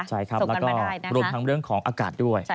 ใช่ครับแล้วก็รวมทั้งเรื่องของอากาศด้วย